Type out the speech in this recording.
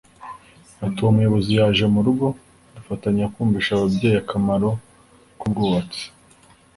Ati” Uwo muyobozi yaje mu rugo dufatanya kumvisha ababyeyi akamaro k’ubwubatsi